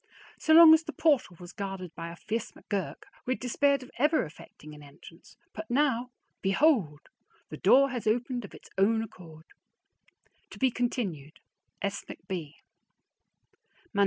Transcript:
So long as the portal was guarded by a fierce McGurk, we had despaired of ever effecting an entrance; but now, behold! The door has opened of its own accord. To be continued. S. McB.